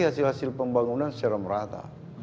hasil hasil pembangunan secara merata